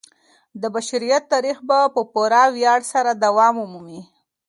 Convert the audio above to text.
د بشریت تاریخ به په پوره ویاړ سره دوام ومومي.